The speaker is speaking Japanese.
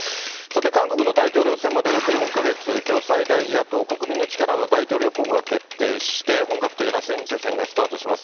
韓国の大統領選までおよそ４か月、きょう、最大野党・国民の力の大統領候補が決定して、本格的な選挙戦がスタートします。